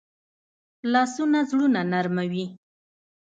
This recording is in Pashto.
لاسونه زړونه نرموي